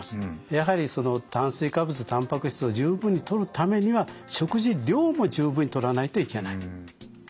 やはりその炭水化物たんぱく質を十分にとるためには食事量も十分にとらないといけない。